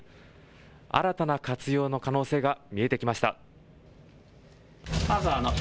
新たな活用の可能性が見えてきました。